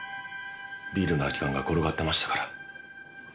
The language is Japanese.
ビールの空き缶が転がってましたから。